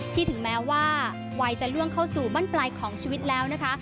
ถึงแม้ว่าวัยจะล่วงเข้าสู่บ้านปลายของชีวิตแล้วนะคะ